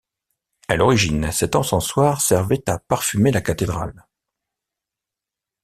À l'origine, cet encensoir servait à parfumer la cathédrale.